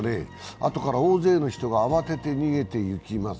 あとから大勢の人が慌てて逃げていきます。